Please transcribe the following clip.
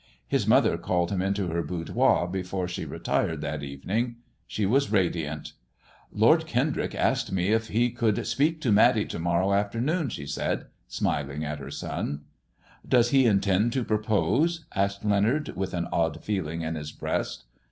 His mother called him into her boudoir before she retired that evening. She was radiant. Lord Kendrick asked me if he could speak to Matty to morrow afternoon," she said, smiling at her son. "Does he intend to proposed' asked Leonard, with an odd feeling in his breast.